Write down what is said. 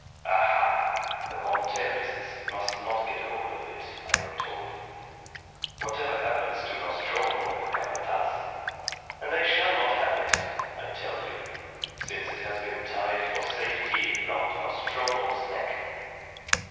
Aha! the Monterists must not get hold of it, I am told, whatever happens to Nostromo the Capataz; and they shall not have it, I tell you, since it has been tied for safety round Nostromo's neck."